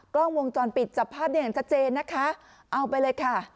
กล้องวงจรปิดจับภาพแดงใจเจนนะคะเอาไปเลยค่ะ